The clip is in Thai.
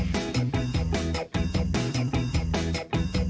๘โมง๔๕นาทีนะคะวันนี้หมดเวลาลาไปก่อน